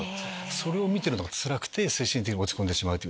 それを見てるのがつらくて精神的に落ち込んでしまう。